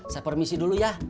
saya permisi dulu ya